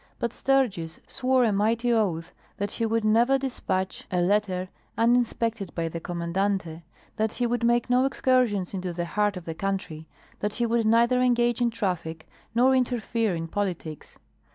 But Sturgis swore a mighty oath that he would never despatch a letter uninspected by the Commandante, that he would make no excursions into the heart of the country, that he would neither engage in traffic nor interfere in politics.